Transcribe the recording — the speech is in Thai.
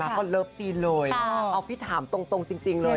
ก็เลิฟซีนเลยเอาพี่ถามตรงจริงเลย